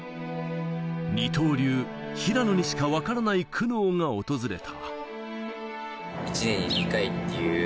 二刀流・平野にしか分からない苦悩が訪れた。